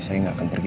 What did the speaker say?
siapa yang pergi